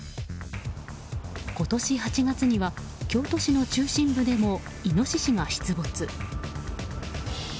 今年８月には京都市の中心部でもイノシシが出没。